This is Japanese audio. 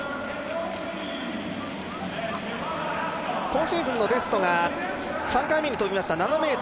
今シーズンのベストが３回目に跳びました７ｍ７５。